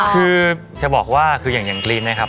คือจะบอกว่าคืออย่างกรีนนะครับ